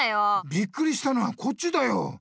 びっくりしたのはこっちだよいたいなあ！